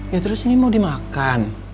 ya terus ini mau dimakan